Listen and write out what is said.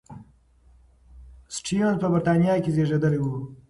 سټيونز په بریتانیا کې زېږېدلی و.